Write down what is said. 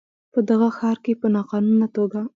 په دغه ښار کې په ناقانونه توګه